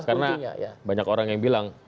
karena banyak orang yang bilang